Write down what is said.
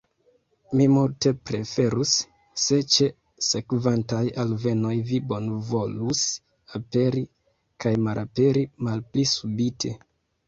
Mi multe preferus, se ĉe sekvantaj alvenoj vi bonvolus aperi kaj malaperi malpli subite.